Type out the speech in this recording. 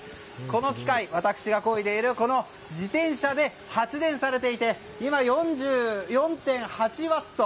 この機械、私がこいでいるこの自転車で発電されていて今、４４．８ワット